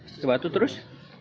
pakai batu terus